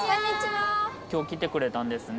今日来てくれたんですね